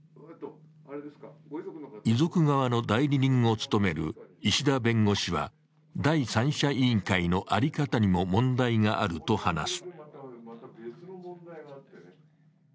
遺族側の代理人を務める石田弁護士は、第三者委員会の在り方にも問題があると話す。